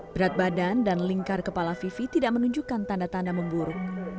berat badan dan lingkar kepala vivi tidak menunjukkan tanda tanda memburuk